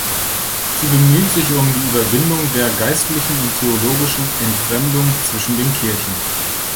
Sie bemüht sich um die Überwindung der geistlichen und theologischen Entfremdung zwischen den Kirchen.